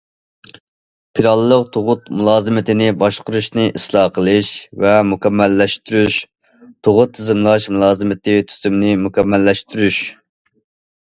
پىلانلىق تۇغۇت مۇلازىمىتىنى باشقۇرۇشنى ئىسلاھ قىلىش ۋە مۇكەممەللەشتۈرۈش، تۇغۇت تىزىملاش مۇلازىمىتى تۈزۈمىنى مۇكەممەللەشتۈرۈش.